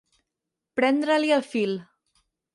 Prendre-li el fil.